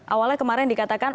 awalnya kemarin dikatakan